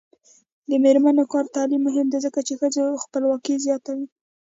د میرمنو کار او تعلیم مهم دی ځکه چې ښځو خپلواکي زیاتوي.